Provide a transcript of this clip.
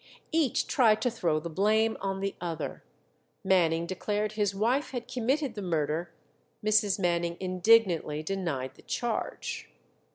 Each tried to throw the blame on the other; Manning declared his wife had committed the murder, Mrs. Manning indignantly denied the charge.